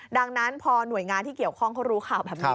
ดังนั้นพอหน่วยงานที่เกี่ยวข้องเขารู้ข่าวแบบนี้